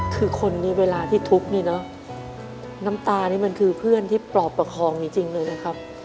คือคนนี้เวลาที่ทุกข์นี่เนอะน้ำตานี่มันคือเพื่อนที่ปลอบประคองจริงเลยนะครับ